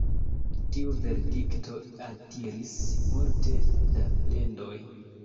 Tiu verdikto altiris multe da plendoj.